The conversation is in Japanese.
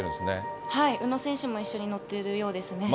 はい、宇野選手も一緒に乗ってるようですね。